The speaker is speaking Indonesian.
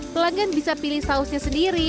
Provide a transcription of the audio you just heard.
pelanggan bisa pilih sausnya sendiri